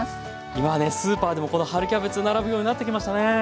今ねスーパーでもこの春キャベツ並ぶようになってきましたね。